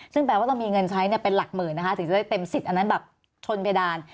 ซึ่งแปลว่าเรามีเงินใช้เป็นหลักหมื่นนะคะถึงจะได้เต็มสิทธิ์อันนั้นแบบชนเพดาน